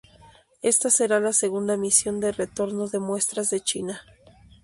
Esta será la segunda misión de retorno de muestras de China.